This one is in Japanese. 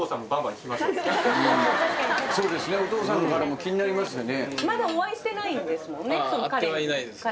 そうですねお父さんからも気になりますよね。